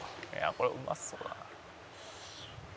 「これうまそうだな」